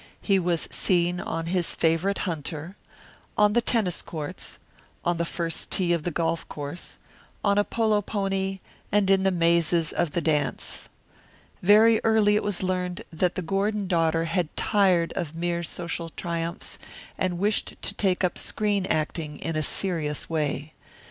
He was seen on his favourite hunter, on the tennis courts, on the first tee of the golf course, on a polo pony, and in the mazes of the dance. Very early it was learned that the Gordon daughter had tired of mere social triumphs and wished to take up screen acting in a serious way.